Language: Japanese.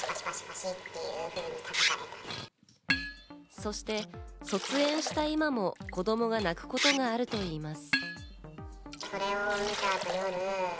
そして卒園した今も子供が泣くことがあるといいます。